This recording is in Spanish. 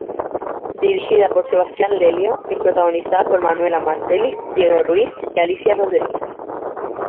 Dirigida por Sebastián Lelio y protagonizada por Manuela Martelli, Diego Ruiz y Alicia Rodríguez.